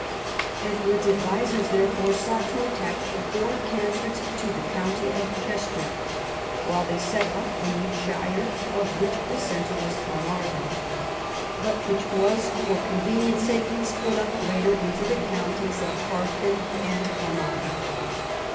Edward's advisers therefore sought to attach the Four Cantreds to the county of Chester, while they set up a new shire of which the centre was Carmarthen, but which was for convenience sake split up later into the counties of I EARLY YEARS 21 Cardigan and Carmarthen.